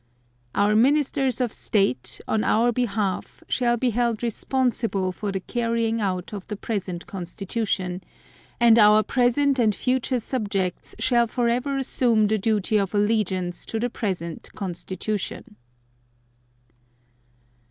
Our Ministers of State, on Our behalf, shall be held responsible for the carrying out of the present Constitution, and Our present and future subjects shall forever assume the duty of allegiance to the present Constitution.